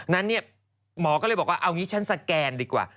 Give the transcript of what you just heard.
นั้นเนี่ยหมอก็เลยบอกว่าเอางี้ฉันสแกนดีกว่า